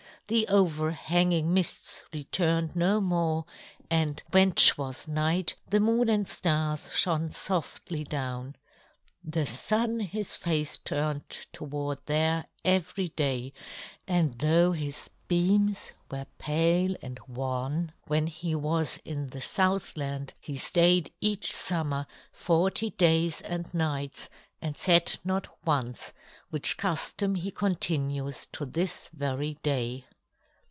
The overhanging mists returned no more, and when 't was night, the Moon and Stars shone softly down. The Sun his face turned toward there every day, and though his beams were pale and wan when he was in the Southland, he stayed each summer forty days and nights and set not once; which custom he continues to this very day.